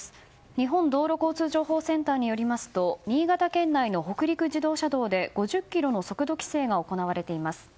日本道路交通情報センターによりますと新潟県内の北陸自動車道で５０キロの速度規制が行われています。